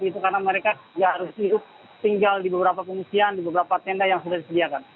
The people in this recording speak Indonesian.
karena mereka ya harus tinggal di beberapa pengungsian di beberapa tenda yang sudah disediakan